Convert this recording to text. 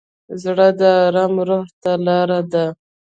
زړه د ارام روح ته لاره ده.